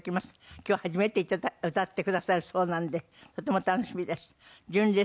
今日初めて歌ってくださるそうなのでとても楽しみです。